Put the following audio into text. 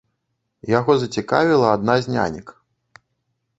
Яго зацікавіла адна з нянек.